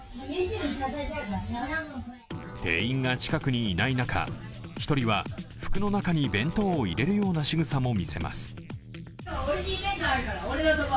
店員が近くにいない中、１人は服の中に弁当を入れるようなしぐさも見せます。